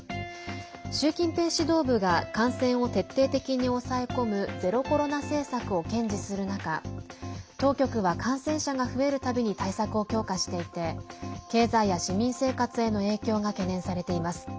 習近平指導部が感染を徹底的に抑え込むゼロコロナ政策を堅持する中当局は感染者が増えるたびに対策を強化していて経済や市民生活への影響が懸念されています。